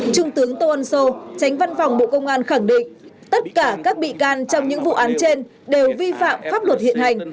trung tướng toan so tránh văn phòng bộ công an khẳng định tất cả các bị can trong những vụ án trên đều vi phạm pháp luật hiện hành